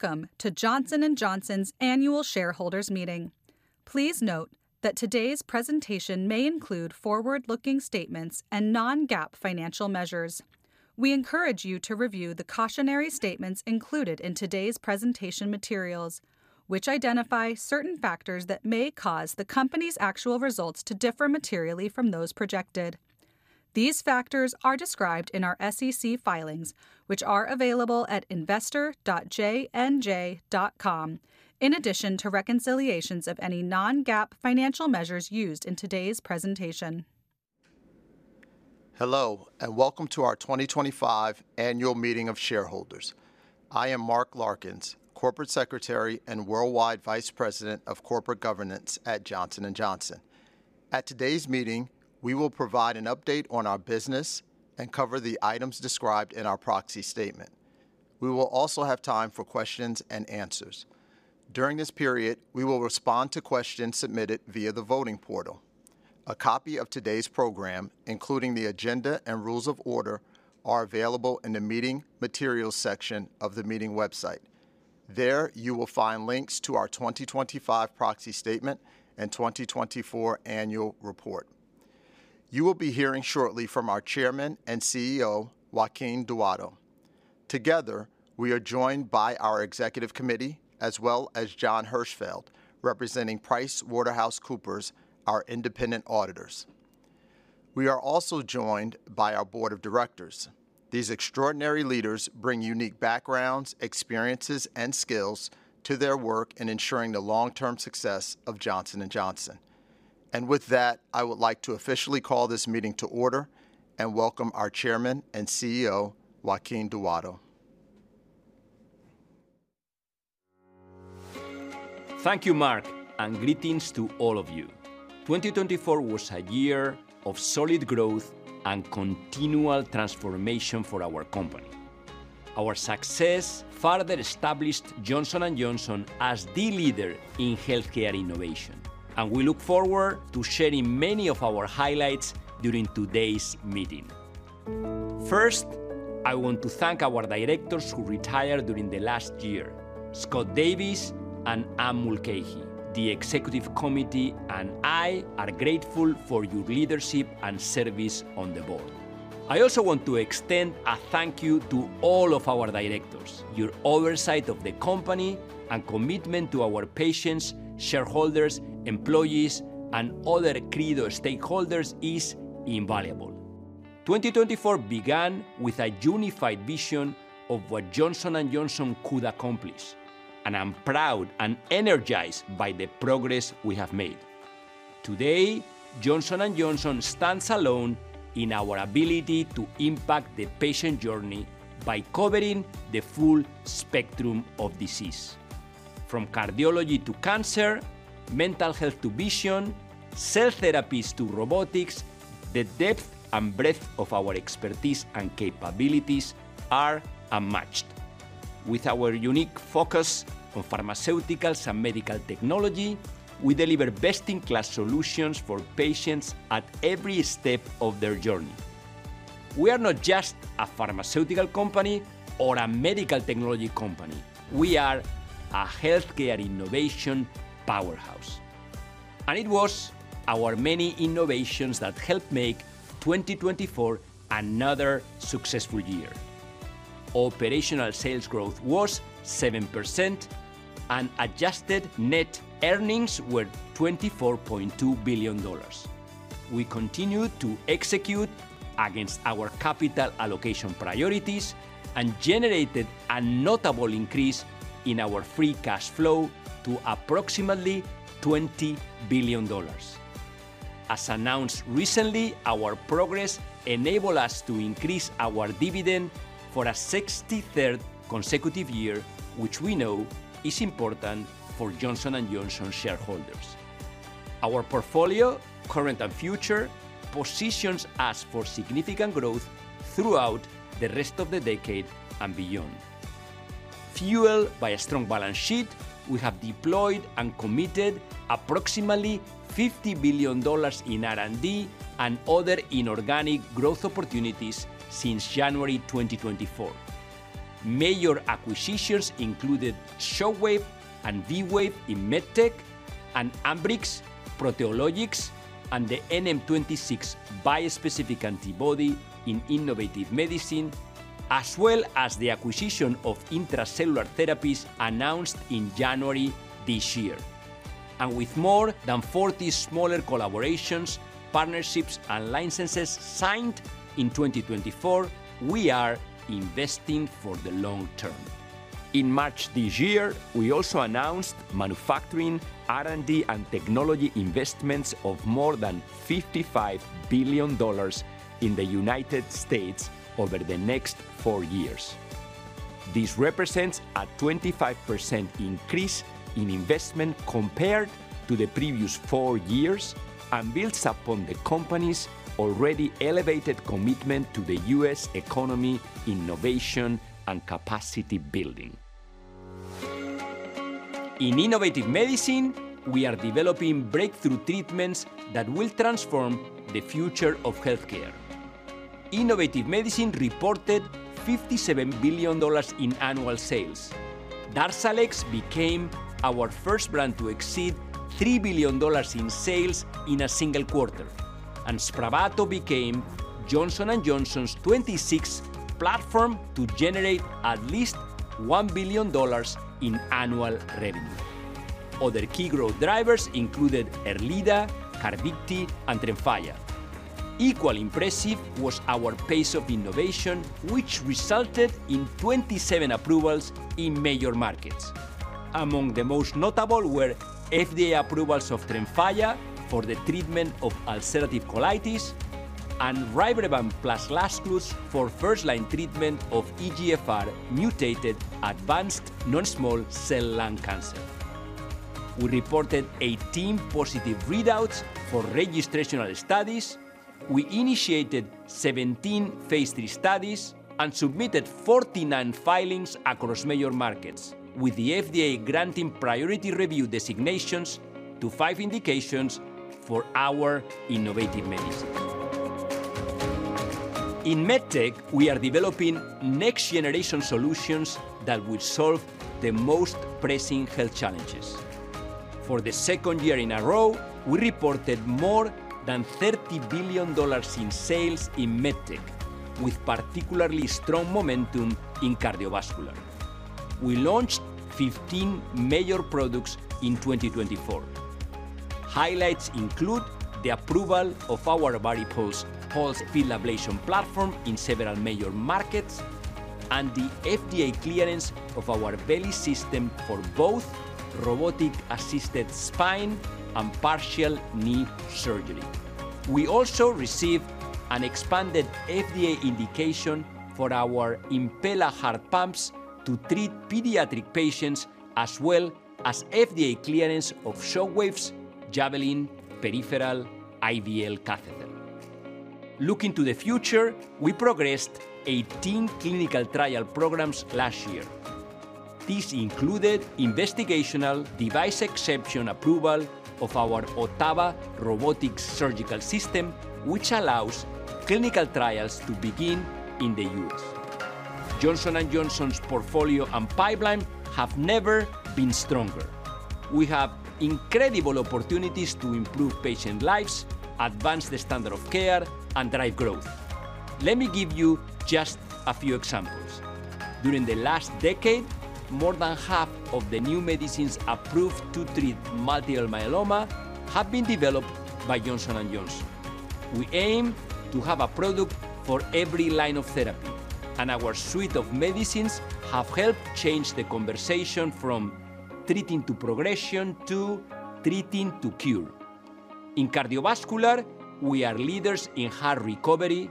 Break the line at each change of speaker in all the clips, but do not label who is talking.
Welcome to Johnson & Johnson's Annual Shareholders Meeting. Please note that today's presentation may include forward-looking statements and non-GAAP financial measures. We encourage you to review the cautionary statements included in today's presentation materials, which identify certain factors that may cause the company's actual results to differ materially from those projected. These factors are described in our SEC filings, which are available at investor.jnj.com, in addition to reconciliations of any non-GAAP financial measures used in today's presentation.
Hello and welcome to our 2025 annual meeting of shareholders. I am Marc Larkins, Corporate Secretary and Worldwide Vice President of Corporate Governance at Johnson & Johnson. At today's meeting, we will provide an update on our business and cover the items described in our proxy statement. We will also have time for questions and answers. During this period, we will respond to questions submitted via the voting portal. A copy of today's program, including the agenda and rules of order, is available in the Meeting Materials section of the meeting website. There you will find links to our 2025 proxy statement and 2024 annual report. You will be hearing shortly from our Chairman and CEO, Joaquin Duato. Together, we are joined by our Executive Committee, as well as John Hirschfeld, representing PricewaterhouseCoopers, our independent auditors. We are also joined by our Board of Directors. These extraordinary leaders bring unique backgrounds, experiences, and skills to their work in ensuring the long-term success of Johnson & Johnson. I would like to officially call this meeting to order and welcome our Chairman and CEO, Joaquin Duato.
Thank you,, and greetings to all of you. 2024 was a year of solid growth and continual transformation for our company. Our success further established Johnson & Johnson as the leader in healthcare innovation, and we look forward to sharing many of our highlights during today's meeting. First, I want to thank our directors who retired during the last year, Scott Davis and Anne Mulcahy. The Executive Committee and I are grateful for your leadership and service on the board. I also want to extend a thank you to all of our directors. Your oversight of the company and commitment to our patients, shareholders, employees, and other key stakeholders is invaluable. 2024 began with a unified vision of what Johnson & Johnson could accomplish, and I'm proud and energized by the progress we have made. Today, Johnson & Johnson stands alone in our ability to impact the patient journey by covering the full spectrum of disease. From cardiology to cancer, mental health to vision, cell therapies to robotics, the depth and breadth of our expertise and capabilities are unmatched. With our unique focus on pharmaceuticals and medical technology, we deliver best-in-class solutions for patients at every step of their journey. We are not just a pharmaceutical company or a medical technology company; we are a healthcare innovation powerhouse. It was our many innovations that helped make 2024 another successful year. Operational sales growth was 7%, and adjusted net earnings were $24.2 billion. We continued to execute against our capital allocation priorities and generated a notable increase in our free cash flow to approximately $20 billion. As announced recently, our progress enabled us to increase our dividend for a 63rd consecutive year, which we know is important for Johnson & Johnson shareholders. Our portfolio, current and future, positions us for significant growth throughout the rest of the decade and beyond. Fueled by a strong balance sheet, we have deployed and committed approximately $50 billion in R&D and other inorganic growth opportunities since January 2024. Major acquisitions included Shockwave Medical and V-Wave in MedTech, and Ambrx, Proteologix and the NM26 bispecific antibody in Innovative Medicine, as well as the acquisition of Intra-Cellular Therapies announced in January this year. With more than 40 smaller collaborations, partnerships, and licenses signed in 2024, we are investing for the long term. In March this year, we also announced manufacturing, R&D, and technology investments of more than $55 billion in the United States over the next four years. This represents a 25% increase in investment compared to the previous four years and builds upon the company's already elevated commitment to the U.S. economy, innovation, and capacity building. In Innovative Medicine, we are developing breakthrough treatments that will transform the future of healthcare. Innovative Medicine reported $57 billion in annual sales. Darzalex became our first brand to exceed $3 billion in sales in a single quarter, and Spravato became Johnson & Johnson's 26th platform to generate at least $1 billion in annual revenue. Other key growth drivers included Erleada, Carvykti, and Tremfya. Equally impressive was our pace of innovation, which resulted in 27 approvals in major markets. Among the most notable were FDA approvals of Tremfya for the treatment of ulcerative colitis and Rybrevant plus Lazertinib for first-line treatment of EGFR-mutated advanced non-small cell lung cancer. We reported 18 positive readouts for registrational studies. We initiated 17 phase III studies and submitted 49 filings across major markets, with the FDA granting priority review designations to five indications for our Innovative Medicine. In MedTech, we are developing next-generation solutions that will solve the most pressing health challenges. For the second year in a row, we reported more than $30 billion in sales in MedTech, with particularly strong momentum in cardiovascular. We launched 15 major products in 2024. Highlights include the approval of our VARIPULSE Pulsed Field Ablation platform in several major markets and the FDA clearance of our VELYS System for both robotic-assisted spine and partial knee surgery. We also received an expanded FDA indication for our Impella heart pumps to treat pediatric patients, as well as FDA clearance of Shockwave's Javelin peripheral IVL catheter. Looking to the future, we progressed 18 clinical trial programs last year. These included investigational device exemption approval of our OTTAVA robotic surgical system, which allows clinical trials to begin in the U.S. Johnson & Johnson's portfolio and pipeline have never been stronger. We have incredible opportunities to improve patient lives, advance the standard of care, and drive growth. Let me give you just a few examples. During the last decade, more than half of the new medicines approved to treat multiple myeloma have been developed by Johnson & Johnson. We aim to have a product for every line of therapy, and our suite of medicines have helped change the conversation from treating to progression to treating to cure. In cardiovascular, we are leaders in heart recovery,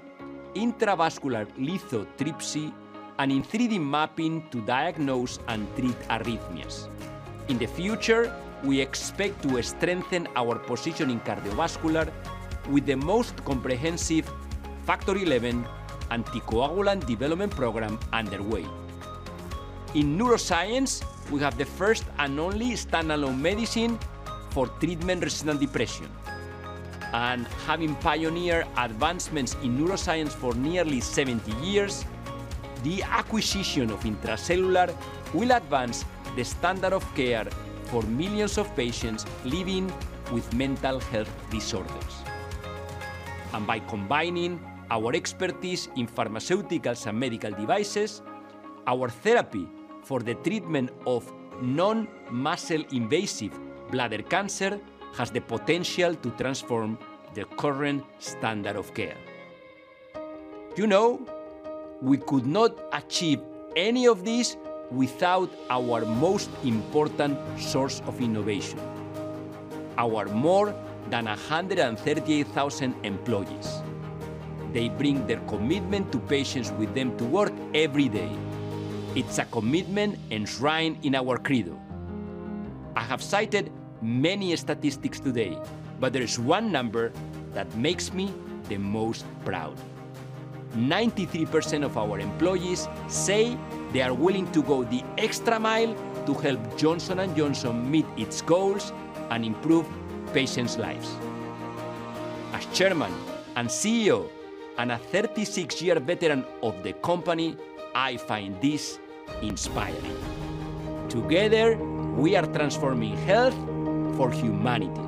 intravascular lithotripsy, and in 3D mapping to diagnose and treat arrhythmias. In the future, we expect to strengthen our position in cardiovascular with the most comprehensive Factor XI anticoagulant development program underway. In neuroscience, we have the first and only standalone medicine for treatment-resistant depression. Having pioneered advancements in neuroscience for nearly 70 years, the acquisition of Intra-Cellular Therapies will advance the standard of care for millions of patients living with mental health disorders. By combining our expertise in pharmaceuticals and medical devices, our therapy for the treatment of non-muscle-invasive bladder cancer has the potential to transform the current standard of care. You know, we could not achieve any of this without our most important source of innovation: our more than 138,000 employees. They bring their commitment to patients with them to work every day. It's a commitment enshrined in our Credo. I have cited many statistics today, but there is one number that makes me the most proud. 93% of our employees say they are willing to go the extra mile to help Johnson & Johnson meet its goals and improve patients' lives. As Chairman and CEO and a 36-year veteran of the company, I find this inspiring. Together, we are transforming health for humanity.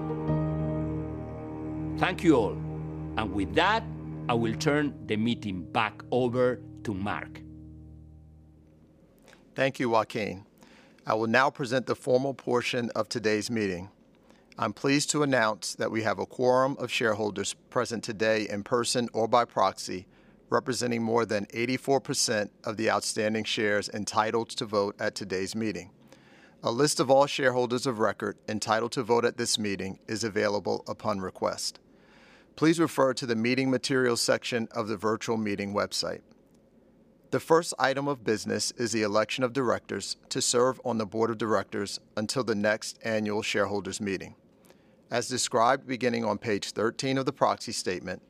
Thank you all. I will turn the meeting back over to Marc.
Thank you, Joaquin. I will now present the formal portion of today's meeting. I'm pleased to announce that we have a quorum of shareholders present today in person or by proxy, representing more than 84% of the outstanding shares entitled to vote at today's meeting. A list of all shareholders of record entitled to vote at this meeting is available upon request. Please refer to the Meeting Materials section of the virtual meeting website. The first item of business is the election of directors to serve on the Board of Directors until the next annual shareholders' meeting. As described beginning on page 13 of the proxy statement,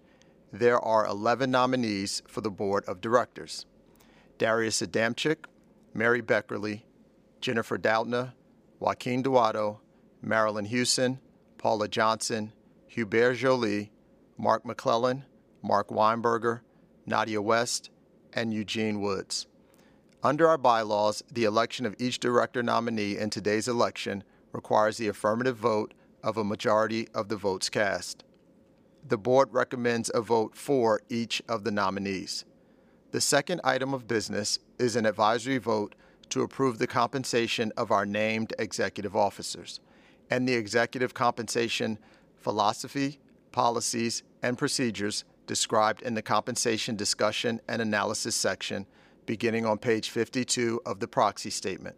there are 11 nominees for the Board of Directors: Darius Adamczyk, Mary Beckerle, Jennifer Doudna, Joaquin Duato, Marillyn Hewson, Paula Johnson, Hubert Joly, Mark McClellan, Mark Weinberger, Nadja West, and Eugene Woods. Under our bylaws, the election of each director nominee in today's election requires the affirmative vote of a majority of the votes cast. The board recommends a vote for each of the nominees. The second item of business is an advisory vote to approve the compensation of our named executive officers and the executive compensation philosophy, policies, and procedures described in the compensation discussion and analysis section beginning on page 52 of the proxy statement.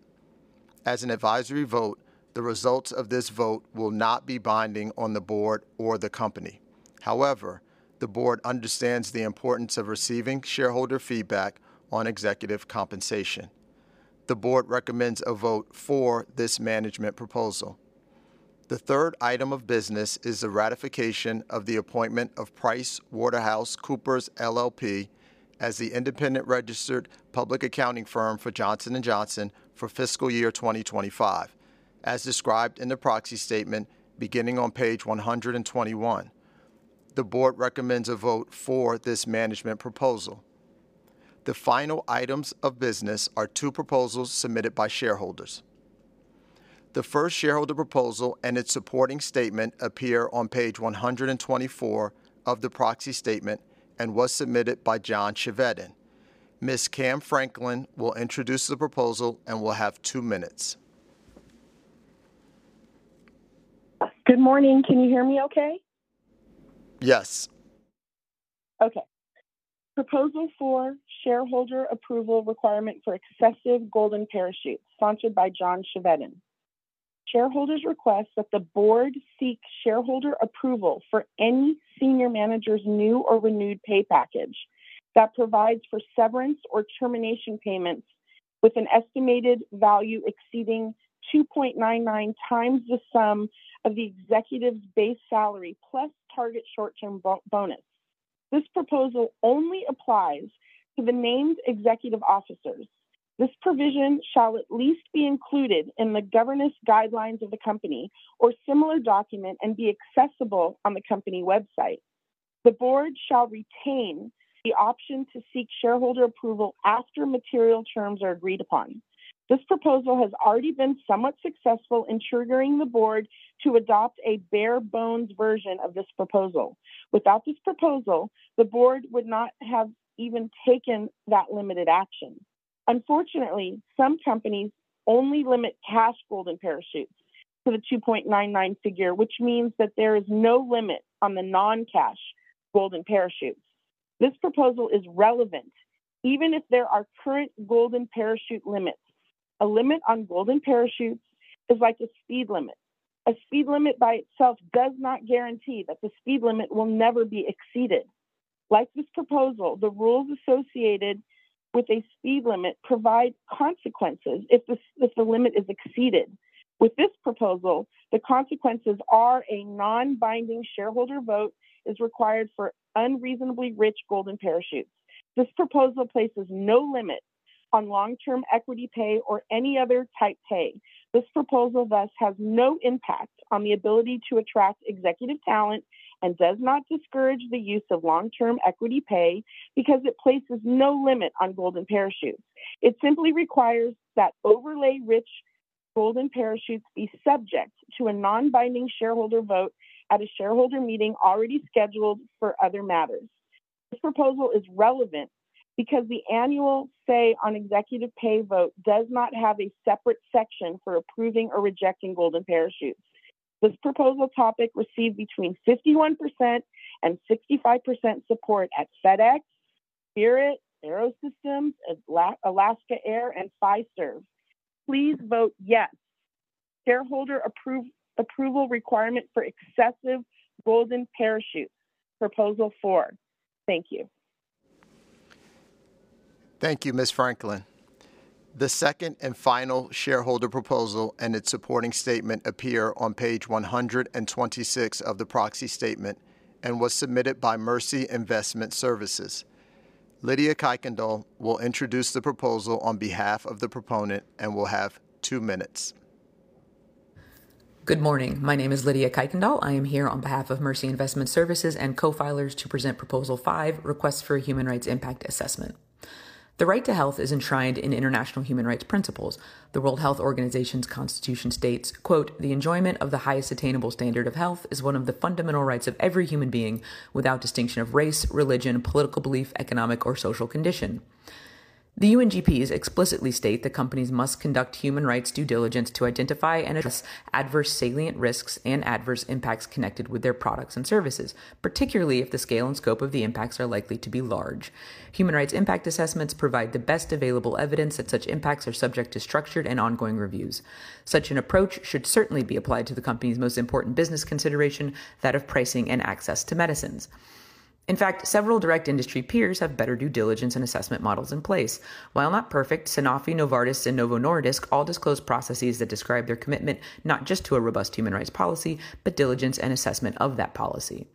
As an advisory vote, the results of this vote will not be binding on the board or the company. However, the board understands the importance of receiving shareholder feedback on executive compensation. The board recommends a vote for this management proposal. The third item of business is the ratification of the appointment of PricewaterhouseCoopers LLP as the independent registered public accounting firm for Johnson & Johnson for fiscal year 2025, as described in the proxy statement beginning on page 121. The board recommends a vote for this management proposal. The final items of business are two proposals submitted by shareholders. The first shareholder proposal and its supporting statement appear on page 124 of the proxy statement and was submitted by John Chevedden. Ms. Cam Franklin will introduce the proposal and will have two minutes.
Good morning. Can you hear me okay?
Yes.
Okay. Proposal for shareholder approval requirement for excessive golden parachute, sponsored by John Chevedden. Shareholders request that the board seek shareholder approval for any senior manager's new or renewed pay package that provides for severance or termination payments with an estimated value exceeding 2.99x the sum of the executive's base salary plus target short-term bonus. This proposal only applies to the named executive officers. This provision shall at least be included in the governance guidelines of the company or similar document and be accessible on the company website. The board shall retain the option to seek shareholder approval after material terms are agreed upon. This proposal has already been somewhat successful in triggering the board to adopt a bare-bones version of this proposal. Without this proposal, the board would not have even taken that limited action. Unfortunately, some companies only limit cash golden parachutes to the 2.99 figure, which means that there is no limit on the non-cash golden parachutes. This proposal is relevant even if there are current golden parachute limits. A limit on golden parachutes is like a speed limit. A speed limit by itself does not guarantee that the speed limit will never be exceeded. Like this proposal, the rules associated with a speed limit provide consequences if the limit is exceeded. With this proposal, the consequences are a non-binding shareholder vote is required for unreasonably rich golden parachutes. This proposal places no limit on long-term equity pay or any other type pay. This proposal thus has no impact on the ability to attract executive talent and does not discourage the use of long-term equity pay because it places no limit on golden parachutes. It simply requires that overly rich golden parachutes be subject to a non-binding shareholder vote at a shareholder meeting already scheduled for other matters. This proposal is relevant because the annual say on executive pay vote does not have a separate section for approving or rejecting golden parachutes. This proposal topic received between 51% and 65% support at FedEx, Spirit AeroSystems, Alaska Air, and Pfizer. Please vote yes. Shareholder approval requirement for excessive golden parachute, proposal four. Thank you.
Thank you, Ms. Franklin. The second and final shareholder proposal and its supporting statement appear on page 126 of the proxy statement and was submitted by Mercy Investment Services. Lydia Kuykendal will introduce the proposal on behalf of the proponent and will have two minutes.
Good morning. My name is Lydia Kuykendal. I am here on behalf of Mercy Investment Services and co-filers to present proposal five, request for a human rights impact assessment. The right to health is enshrined in international human rights principles. The World Health Organization's constitution states, "The enjoyment of the highest attainable standard of health is one of the fundamental rights of every human being without distinction of race, religion, political belief, economic, or social condition." The UNGPs explicitly state that companies must conduct human rights due diligence to identify and address adverse salient risks and adverse impacts connected with their products and services, particularly if the scale and scope of the impacts are likely to be large. Human rights impact assessments provide the best available evidence that such impacts are subject to structured and ongoing reviews. Such an approach should certainly be applied to the company's most important business consideration, that of pricing and access to medicines. In fact, several direct industry peers have better due diligence and assessment models in place. While not perfect, Sanofi, Novartis, and Novo Nordisk all disclose processes that describe their commitment not just to a robust human rights policy, but diligence and assessment of that policy.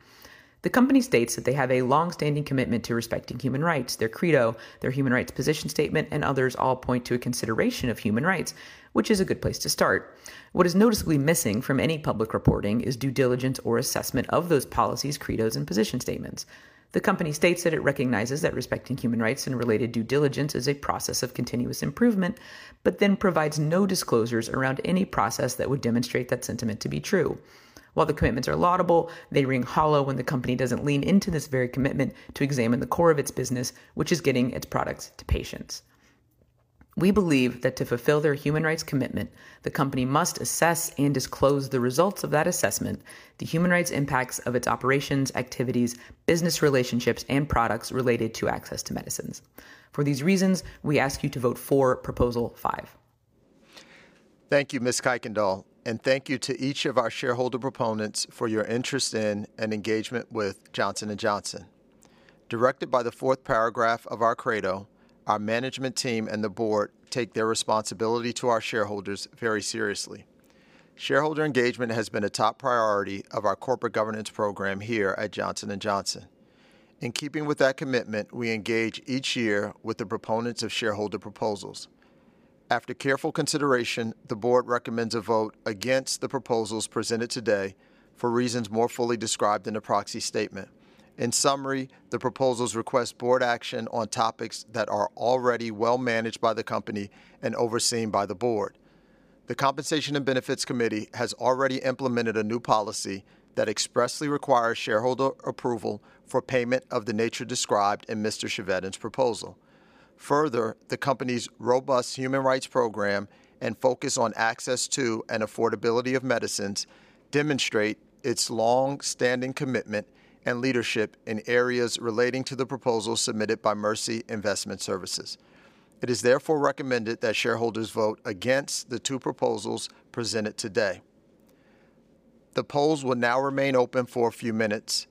The company states that they have a long-standing commitment to respecting human rights. Their Credo, their human rights position statement, and others all point to a consideration of human rights, which is a good place to start. What is noticeably missing from any public reporting is due diligence or assessment of those policies, Credos, and position statements. The company states that it recognizes that respecting human rights and related due diligence is a process of continuous improvement, but then provides no disclosures around any process that would demonstrate that sentiment to be true. While the commitments are laudable, they ring hollow when the company doesn't lean into this very commitment to examine the core of its business, which is getting its products to patients. We believe that to fulfill their human rights commitment, the company must assess and disclose the results of that assessment, the human rights impacts of its operations, activities, business relationships, and products related to access to medicines. For these reasons, we ask you to vote for proposal five.
Thank you, Ms. Kuykendal, and thank you to each of our shareholder proponents for your interest in and engagement with Johnson & Johnson. Directed by the fourth paragraph of our Credo, our management team and the board take their responsibility to our shareholders very seriously. Shareholder engagement has been a top priority of our corporate governance program here at Johnson & Johnson. In keeping with that commitment, we engage each year with the proponents of shareholder proposals. After careful consideration, the board recommends a vote against the proposals presented today for reasons more fully described in the proxy statement. In summary, the proposals request board action on topics that are already well managed by the company and overseen by the board. The Compensation and Benefits Committee has already implemented a new policy that expressly requires shareholder approval for payment of the nature described in Mr. Chevedden's proposal. Further, the company's robust human rights program and focus on access to and affordability of medicines demonstrate its long-standing commitment and leadership in areas relating to the proposals submitted by Mercy Investment Services. It is therefore recommended that shareholders vote against the two proposals presented today. The polls will now remain open for a few minutes.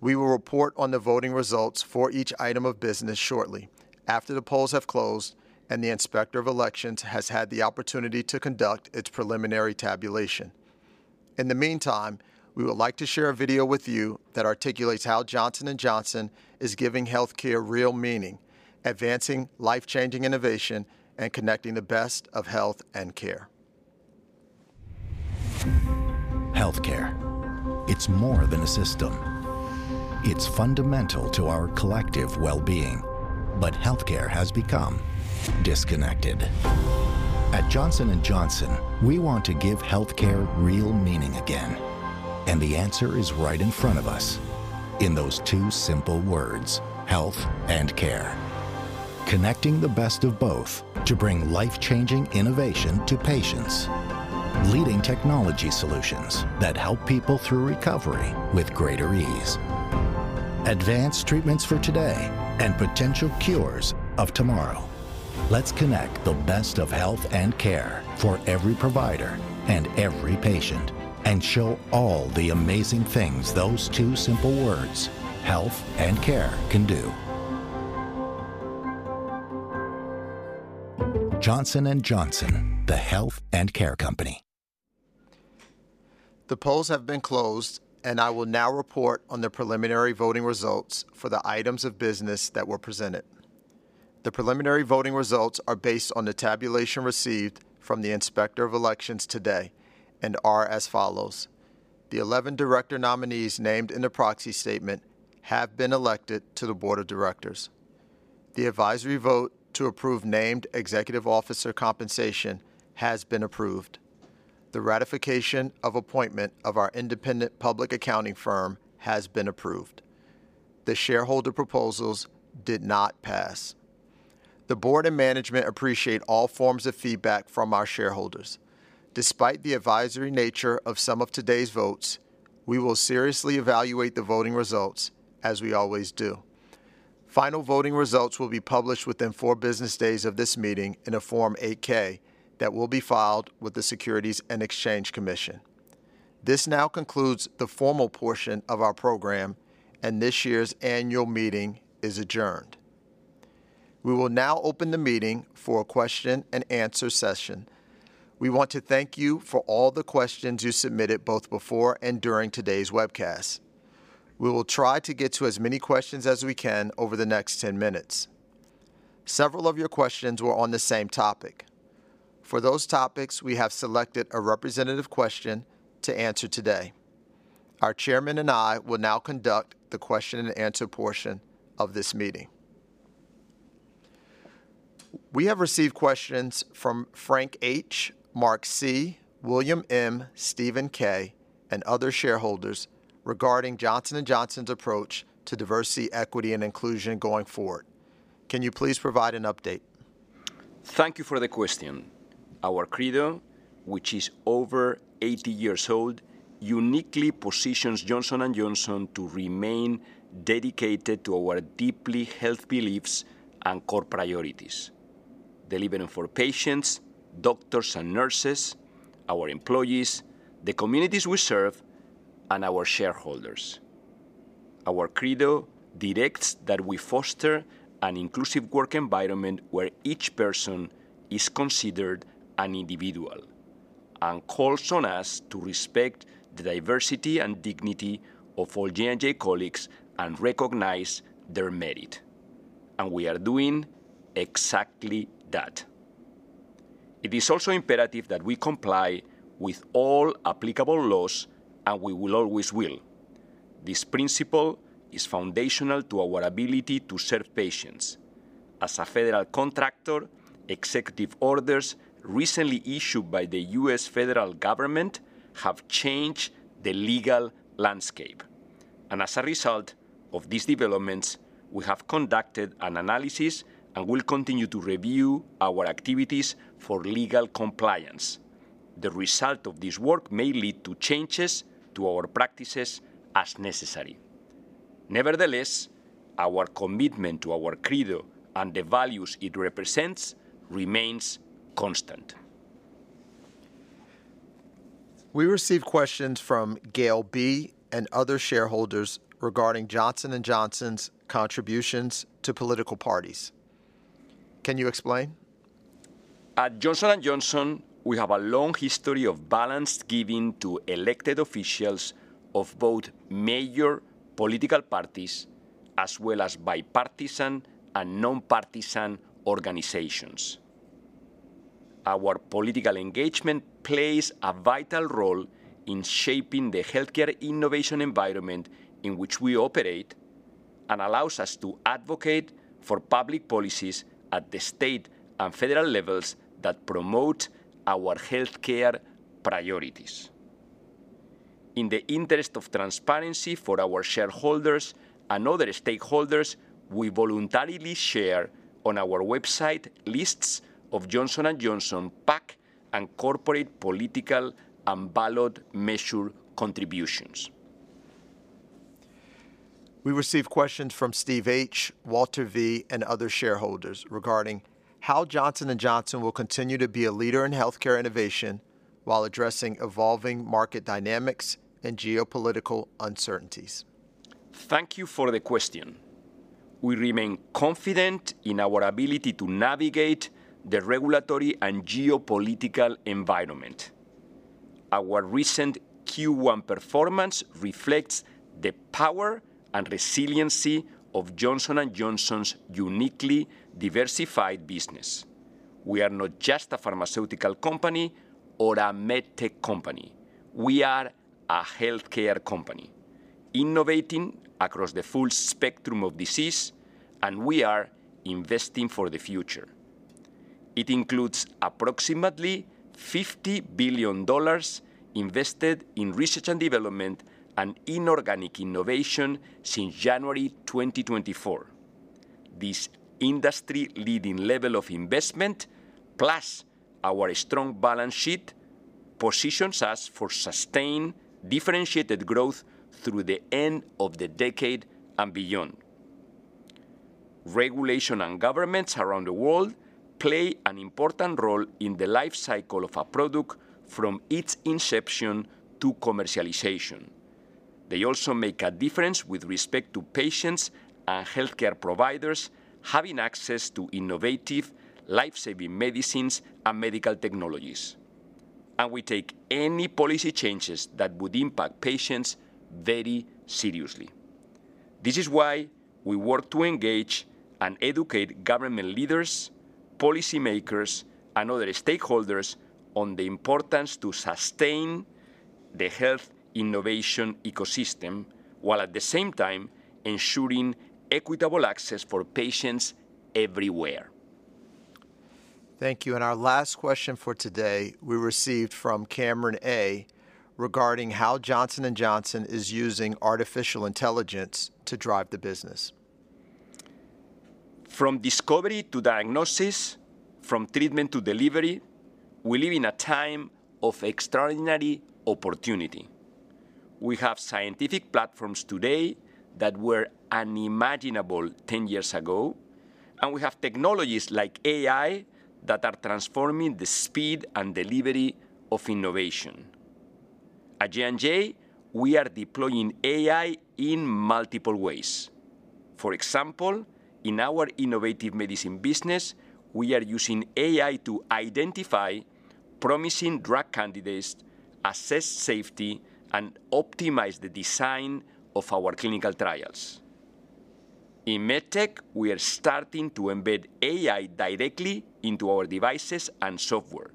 We will report on the voting results for each item of business shortly after the polls have closed and the inspector of elections has had the opportunity to conduct its preliminary tabulation. In the meantime, we would like to share a video with you that articulates how Johnson & Johnson is giving healthcare real meaning, advancing life-changing innovation, and connecting the best of health and care.
Healthcare. It's more than a system. It's fundamental to our collective well-being. Healthcare has become disconnected. At Johnson & Johnson, we want to give healthcare real meaning again. The answer is right in front of us in those two simple words, health and care. Connecting the best of both to bring life-changing innovation to patients. Leading technology solutions that help people through recovery with greater ease. Advanced treatments for today and potential cures of tomorrow. Let's connect the best of health and care for every provider and every patient and show all the amazing things those two simple words, health and care, can do. Johnson & Johnson, the health and care company.
The polls have been closed, and I will now report on the preliminary voting results for the items of business that were presented. The preliminary voting results are based on the tabulation received from the inspector of elections today and are as follows. The 11 director nominees named in the proxy statement have been elected to the board of directors. The advisory vote to approve named executive officer compensation has been approved. The ratification of appointment of our independent public accounting firm has been approved. The shareholder proposals did not pass. The board and management appreciate all forms of feedback from our shareholders. Despite the advisory nature of some of today's votes, we will seriously evaluate the voting results as we always do. Final voting results will be published within four business days of this meeting in a Form 8-K that will be filed with the Securities and Exchange Commission. This now concludes the formal portion of our program, and this year's annual meeting is adjourned. We will now open the meeting for a question and answer session. We want to thank you for all the questions you submitted both before and during today's webcast. We will try to get to as many questions as we can over the next 10 minutes. Several of your questions were on the same topic. For those topics, we have selected a representative question to answer today. Our Chairman and I will now conduct the question and answer portion of this meeting. We have received questions from Frank H., Mark C., William M., Steven K., and other shareholders regarding Johnson & Johnson's approach to diversity, equity, and inclusion going forward. Can you please provide an update?
Thank you for the question. Our Credo, which is over 80 years old, uniquely positions Johnson & Johnson to remain dedicated to our deeply held beliefs and core priorities: delivering for patients, doctors, and nurses, our employees, the communities we serve, and our shareholders. Our Credo directs that we foster an inclusive work environment where each person is considered an individual and calls on us to respect the diversity and dignity of all J&J colleagues and recognize their merit. We are doing exactly that. It is also imperative that we comply with all applicable laws, and we always will. This principle is foundational to our ability to serve patients. As a federal contractor, executive orders recently issued by the U.S. federal government have changed the legal landscape. As a result of these developments, we have conducted an analysis and will continue to review our activities for legal compliance. The result of this work may lead to changes to our practices as necessary. Nevertheless, our commitment to our Credo and the values it represents remains constant.
We received questions from Gail B. and other shareholders regarding Johnson & Johnson's contributions to political parties. Can you explain?
At Johnson & Johnson, we have a long history of balanced giving to elected officials of both major political parties as well as bipartisan and nonpartisan organizations. Our political engagement plays a vital role in shaping the healthcare innovation environment in which we operate and allows us to advocate for public policies at the state and federal levels that promote our healthcare priorities. In the interest of transparency for our shareholders and other stakeholders, we voluntarily share on our website lists of Johnson & Johnson PAC and corporate political and ballot measure contributions.
We received questions from Steve H., Walter V., and other shareholders regarding how Johnson & Johnson will continue to be a leader in healthcare innovation while addressing evolving market dynamics and geopolitical uncertainties.
Thank you for the question. We remain confident in our ability to navigate the regulatory and geopolitical environment. Our recent Q1 performance reflects the power and resiliency of Johnson & Johnson's uniquely diversified business. We are not just a pharmaceutical company or a MedTech company. We are a healthcare company innovating across the full spectrum of disease, and we are investing for the future. It includes approximately $50 billion invested in research and development and inorganic innovation since January 2024. This industry-leading level of investment, plus our strong balance sheet, positions us for sustained differentiated growth through the end of the decade and beyond. Regulation and governments around the world play an important role in the life cycle of a product from its inception to commercialization. They also make a difference with respect to patients and healthcare providers having access to innovative lifesaving medicines and medical technologies. We take any policy changes that would impact patients very seriously. This is why we work to engage and educate government leaders, policymakers, and other stakeholders on the importance of sustaining the health innovation ecosystem while at the same time ensuring equitable access for patients everywhere.
Thank you. Our last question for today, we received from Cameron A. regarding how Johnson & Johnson is using artificial intelligence to drive the business.
From discovery to diagnosis, from treatment to delivery, we live in a time of extraordinary opportunity. We have scientific platforms today that were unimaginable 10 years ago, and we have technologies like AI that are transforming the speed and delivery of innovation. At J&J, we are deploying AI in multiple ways. For example, in our Innovative Medicine business, we are using AI to identify promising drug candidates, assess safety, and optimize the design of our clinical trials. In MedTech, we are starting to embed AI directly into our devices and software,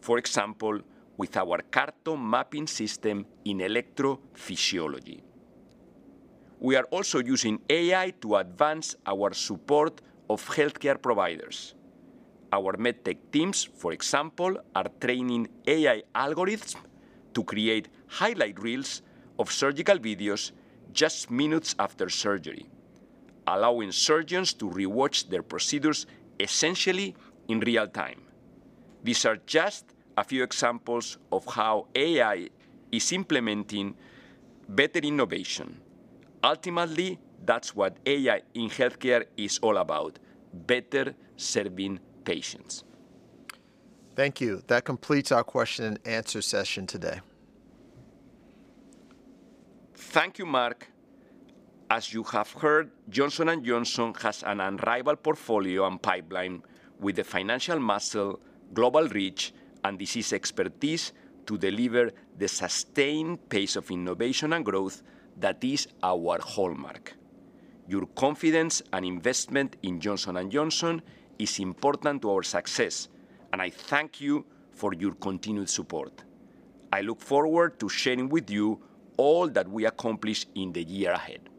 for example, with our CARTO mapping system in electrophysiology. We are also using AI to advance our support of healthcare providers. Our MedTech teams, for example, are training AI algorithms to create highlight reels of surgical videos just minutes after surgery, allowing surgeons to rewatch their procedures essentially in real time. These are just a few examples of how AI is implementing better innovation. Ultimately, that's what AI in healthcare is all about: better serving patients.
Thank you. That completes our question and answer session today.
Thank you, Marc. As you have heard, Johnson & Johnson has an unrivaled portfolio and pipeline with the financial muscle, global reach, and disease expertise to deliver the sustained pace of innovation and growth that is our hallmark. Your confidence and investment in Johnson & Johnson is important to our success, and I thank you for your continued support. I look forward to sharing with you all that we accomplish in the year ahead.